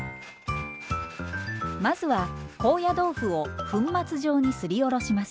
まずは高野豆腐を粉末状にすりおろします。